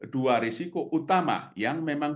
dua risiko utama yang memang